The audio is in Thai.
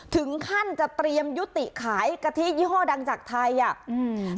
ถึงขั้นจะเตรียมยุติขายกะทิยี่ห้อดังจากไทยอ่ะอืม